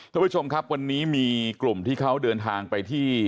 ท่านผู้ชมครับวันนี้มีกลุ่มที่เขาเดินทางไปที่